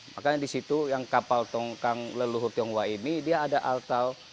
makanya di situ yang kapal tongkang leluhur tionghoa ini dia ada altal